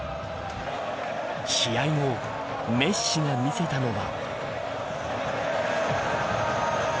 試合後、メッシが見せたのは。